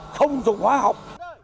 không dùng hóa học